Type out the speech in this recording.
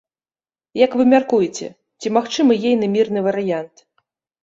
Як вы мяркуеце, ці магчымы ейны мірны варыянт?